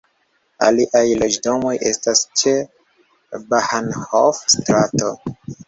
Aliaj loĝdomoj estas ĉe Bahnhof-strato.